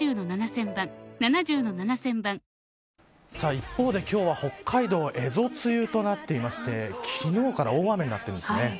一方で、今日は北海道はえぞ梅雨となっていまして昨日から大雨になっているんです。